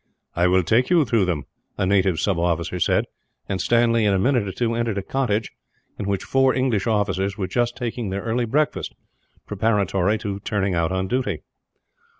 "I will take you to them," a native sub officer said; and Stanley, in a minute or two, entered a cottage in which four English officers were just taking their early breakfast, preparatory to turning out on duty.